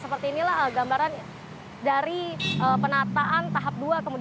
seperti inilah gambaran dari penataan tahap dua